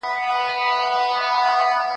مېړه څه وهلی، څه پوري وهلی.